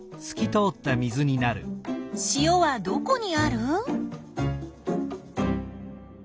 塩はどこにある？